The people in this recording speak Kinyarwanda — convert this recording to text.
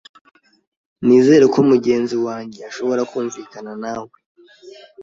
Nizere ko mugenzi wanjye ashobora kumvikana nawe.